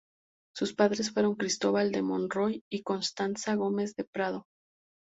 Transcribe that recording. Sus padres fueron Cristóbal de Monroy y Constanza Gómez de Prado.